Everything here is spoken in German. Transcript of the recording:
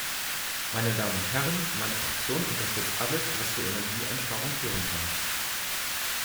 Meine Damen und Herren! Meine Fraktion unterstützt alles, was zu Energieeinsparungen führen kann.